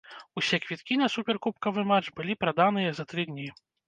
Усе квіткі на суперкубкавы матч былі праданыя за тры дні.